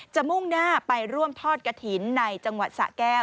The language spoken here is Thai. มุ่งหน้าไปร่วมทอดกระถิ่นในจังหวัดสะแก้ว